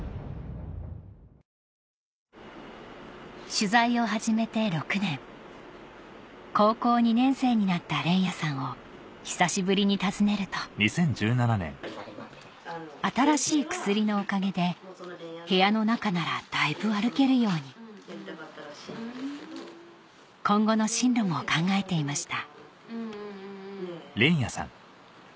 取材を始めて６年高校２年生になった連也さんを久しぶりに訪ねると新しい薬のおかげで部屋の中ならだいぶ歩けるように今後の進路も考えていました